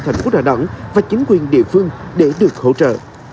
thành phố đà nẵng và chính quyền địa phương để được hỗ trợ